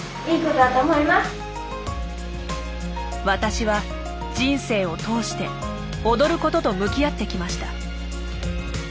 私は人生を通して踊ることと向き合ってきました。